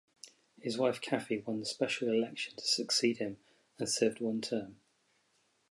His wife Cathy won the special election to succeed him and served one term.